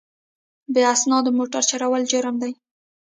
بې اسنادو موټر چلول جرم دی.